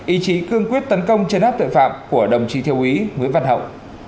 ý chí cương quyết tấn công chấn áp tội phạm của đồng chí thiếu úy nguyễn văn hậu